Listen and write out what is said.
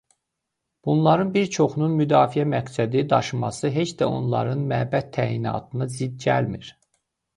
Bunların bir çoxunun müdafiə məqsədi daşıması heç də onların məbəd təyinatına zidd gəlmir.